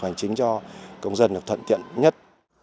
hành chính cho công dân được thận tiện nhất